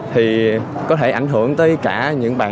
thì có thể ảnh hưởng tới cả những bạn